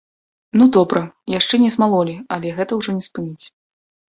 Ну добра, яшчэ не змалолі, але гэта ўжо не спыніць.